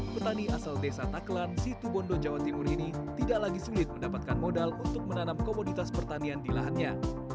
petani asal desa taklan situ bondo jawa timur ini tidak lagi sulit mendapatkan modal untuk menanam komoditas pertanian di lahannya